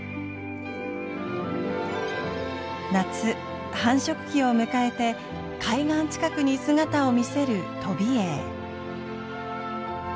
夏繁殖期を迎えて海岸近くに姿を見せるトビエイ。